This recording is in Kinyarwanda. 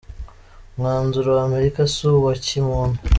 Umwanzuro wa Amerika si uwa kimuntu